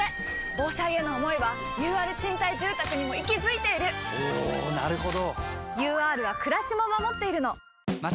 防災への想いはＵＲ賃貸住宅にも息づいているおなるほど！